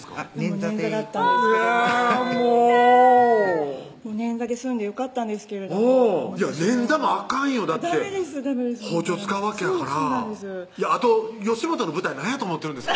捻挫でうわぁもう痛い捻挫で済んでよかったんですけれども捻挫もあかんよだって包丁使うわけやからあと吉本の舞台何やと思ってるんですか？